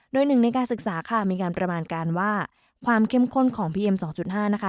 โดยหนึ่งในการศึกษาค่ะมีการประมาณการว่าความเข้มข้นของพีเอ็ม๒๕นะคะ